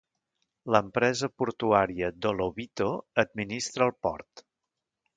L'Empresa Portuaria do Lobito administra el port.